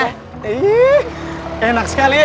eh enak sekali